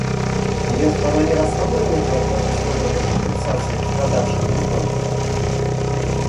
Ее страна не рассматривает возможность выплаты компенсации пострадавшим в Японии?